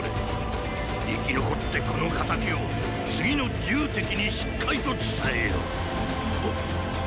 生き残ってこの仇を次の戎にしっかりと伝えよ。っ！